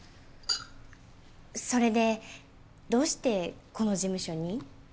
それでどうしてこの事務所に？